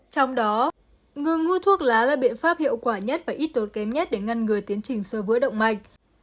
trong đó ngừng ngư thuốc lá là biện pháp hiệu quả nhất và ít tốt kém nhất để ngăn người tiến trình sơ vữa động mạch